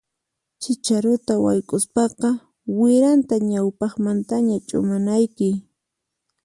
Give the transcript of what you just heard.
Chicharuta wayk'uspaqa wiranta ñawpaqmantaña ch'umanayki.